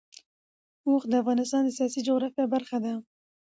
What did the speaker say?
اوښ د افغانستان د سیاسي جغرافیه برخه ده.